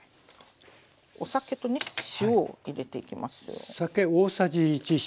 お酒とね塩を入れていきますよ。